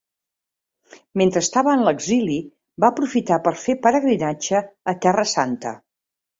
Mentre estava en l'exili va aprofitar per fer pelegrinatge a Terra Santa.